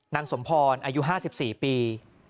สมพรอายุ๕๔ปี